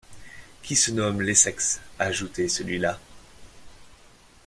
Qui se nomme l’Essex », ajoutait celui-là.